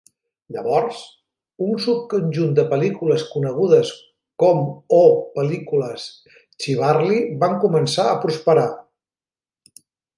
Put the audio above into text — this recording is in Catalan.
Llavors, un subconjunt de pel·lícules conegudes com o pel·lícules "chivalry" van començar a prosperar.